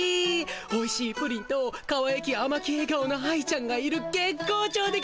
おいしいプリンとかわゆきあまきえ顔の愛ちゃんがいる月光町でガシ。